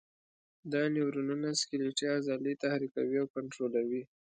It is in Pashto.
دا نیورونونه سکلیټي عضلې تحریکوي او کنټرولوي.